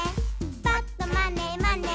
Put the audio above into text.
「ぱっとまねまね」